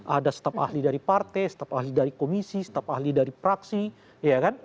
ada staf ahli dari partai staf ahli dari komisi staf ahli dari praksi ya kan